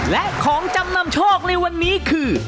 และของจำนำโชคในวันนี้คือ